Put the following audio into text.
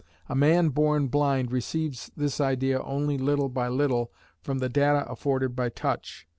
A man born blind receives this idea only little by little from the data afforded by touch.